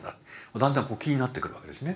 だんだんこう気になってくるわけですね。